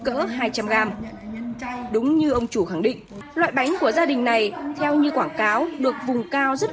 cỡ hai trăm linh gram đúng như ông chủ khẳng định loại bánh của gia đình này theo như quảng cáo được vùng cao rất